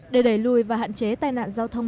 để đẩy lùi và hạn chế tai nạn giao thông